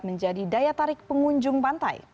menjadi daya tarik pengunjung pantai